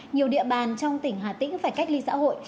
nhiều địa bàn trong tỉnh hà tĩnh phải cách ly xã hội